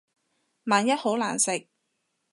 萬一好難食